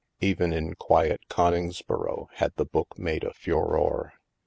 Even in quiet Cpningsboro had the book made a furore.